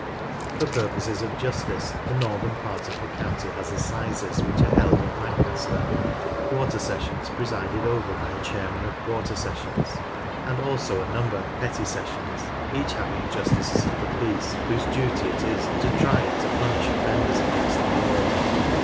For purposes of Justice the northern part of the county has assizes which are held at Lancaster, quarter sessions presided over by a Chairman of Quarter. Sessions, and also a number of petty sessions, each having Justices of the Peace, whose duty it is to try and to punish offenders against the law.